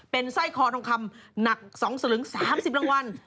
เป็นสร้อยคอทองคำหนัก๒สลึง๓๐รางวัล